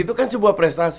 itu kan sebuah prestasi